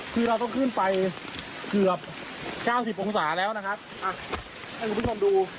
คือเราต้องขึ้นไปเกือบเก้าสิบองศาแล้วนะครับอ่ะให้คุณผู้ชมดู